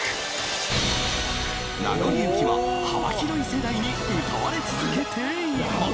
『なごり雪』は幅広い世代に歌われ続けています